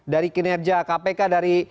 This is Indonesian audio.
dari kinerja kpk dari